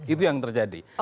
itu yang terjadi